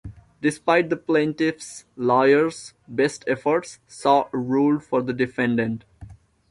Despite the Plaintiff's lawyers' best efforts, Shaw ruled for the Defendant.